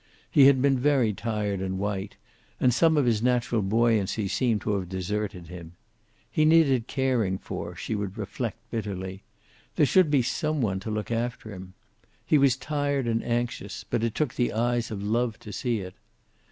He had been very tired and white, and some of his natural buoyancy seemed to have deserted him. He needed caring for, she would reflect bitterly. There should be some one to look after him. He was tired and anxious, but it took the eyes of love to see it.